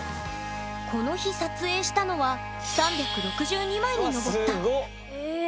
この日撮影したのは３６２枚に上った。